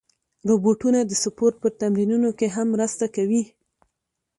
روبوټونه د سپورت په تمرینونو کې هم مرسته کوي.